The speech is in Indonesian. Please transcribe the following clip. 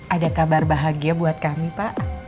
ada kabar bahagia buat kami pak